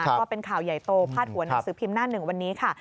ก็เป็นข่าวใหญ่โตพาดหัวหนังสือพิมพ์หน้าหนึ่งวันนี้ค่ะ